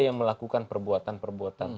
yang melakukan perbuatan perbuatan